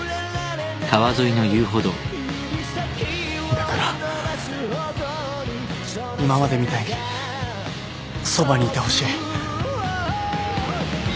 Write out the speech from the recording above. だから今までみたいにそばにいてほしい。